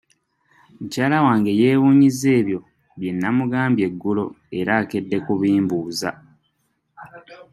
Mukyala wange yeewuunyizza ebyo bye namugambye eggulo era akedde kubimbuuza.